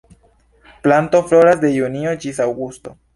La planto floras de junio ĝis aŭgusto.